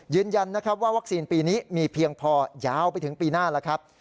ยืนยันนะครับว่าวัคซีนปีนี้มีเพียงพอยาวไปถึงปีหน้าแล้วครับ